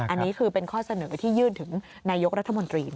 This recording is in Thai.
อันนี้คือเป็นข้อเสนอที่ยื่นถึงนายกรัฐมนตรี